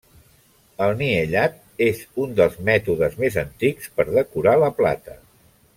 El niellat és un dels mètodes més antics per decorar la plata.